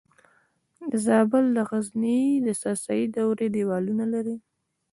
د زابل د غزنیې د ساساني دورې دیوالونه لري